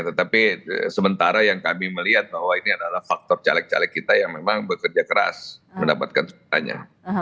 tetapi sementara yang kami melihat bahwa ini adalah faktor caleg caleg kita yang memang bekerja keras mendapatkan semuanya